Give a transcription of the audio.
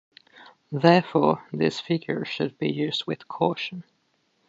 Therefore, these figures should be used with caution.